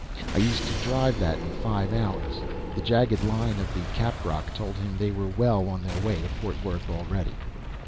I used to drive that in five hours. The jagged line of the caprock told him they were well on their way to Fort Worth already.